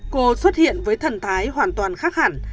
cô xuất hiện với thần thái hoàn toàn khác hẳn